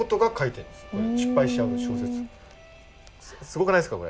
すごくないですか？